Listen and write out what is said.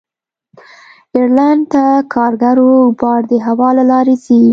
ایرلنډ ته کارګو بار د هوا له لارې ځي.